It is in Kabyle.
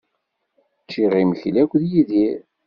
Ččiɣ imekli akked Yidir.